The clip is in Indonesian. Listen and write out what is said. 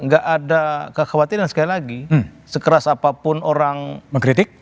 gak ada kekhawatiran sekali lagi sekeras apapun orang mengkritik